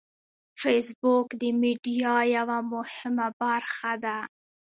فېسبوک د میډیا یوه مهمه برخه ده